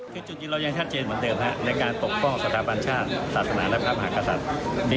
คือจุดยืนเรายังชัดเจนเหมือนเดิมในการปกป้องสถาบันชาติศาสนาและพระมหากษัตริย์